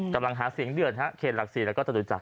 กำลังหาเสียงเดือดฮะเขตหลัก๔แล้วก็จตุจักร